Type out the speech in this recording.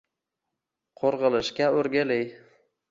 Qo'rg'ilishga o'rgili